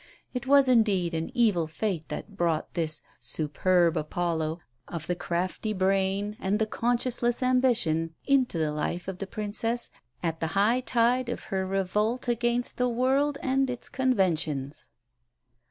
It was indeed an evil fate that brought this "superb Apollo" of the crafty brain and conscienceless ambition into the life of the Princess at the high tide of her revolt against the world and its conventions.